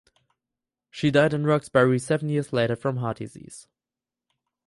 She died in Roxbury seven years later from heart disease.